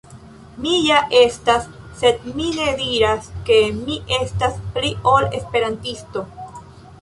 Mi ja estas, sed mi ne diras ke mi estas pli ol Esperantisto.